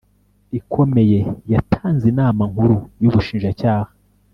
ikomeye yatanze Inama Nkuru y Ubushinjacyaha